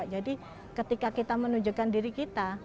jadi ketika kita menunjukkan diri kita